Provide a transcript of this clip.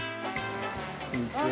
こんにちは。